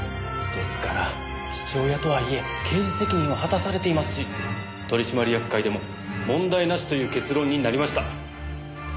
ですから父親とはいえ刑事責任を果たされていますし取締役会でも問題なしという結論になりました。